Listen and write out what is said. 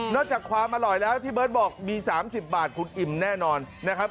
จากความอร่อยแล้วที่เบิร์ตบอกมี๓๐บาทคุณอิ่มแน่นอนนะครับ